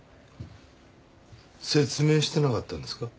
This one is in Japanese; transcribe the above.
説明してなかったんですか？